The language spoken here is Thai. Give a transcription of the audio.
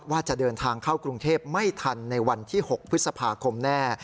ว่าจะเดินทางเข้ากรุงเทพไม่ทันในวันที่๖พฤษภาคมแน่